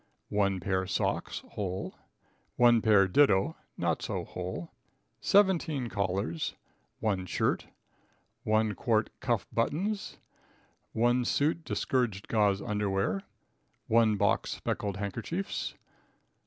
1 pair Socks (whole). 1 pair do. (not so whole). 17 Collars. 1 Shirt 1 quart Cuff Buttons. 1 suit discouraged Gauze Underwear. 1 box Speckled Handkerchiefs.